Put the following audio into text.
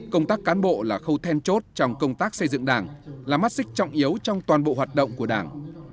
công tác cán bộ là khâu then chốt trong công tác xây dựng đảng là mắt xích trọng yếu trong toàn bộ hoạt động của đảng